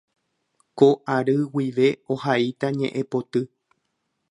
Ko ary guive ohaíta ñe'ẽpoty.